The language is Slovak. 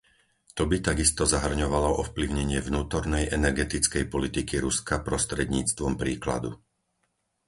To by takisto zahrňovalo ovplyvnenie vnútornej energetickej politiky Ruska prostredníctvom príkladu.